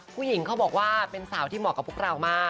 เขาบอกว่าเป็นสาวที่เหมาะกับพวกเรามาก